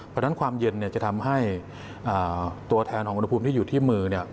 เพราะฉะนั้นความเย็นเนี่ยจะทำให้ตัวแทนของอุณหภูมิที่อยู่ที่มือเนี่ย